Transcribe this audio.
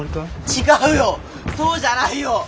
違うよそうじゃないよ！